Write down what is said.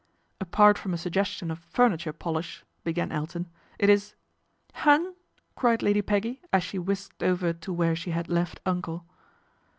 " Apart from a suggestion of furniture polish," began Elton, " it is "" Hun !" cried Lady Peggy as she whisked over to where she had left Uncle.